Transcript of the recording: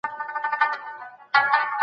آیا اوسنۍ ټولنه له پخوانۍ غوره ده؟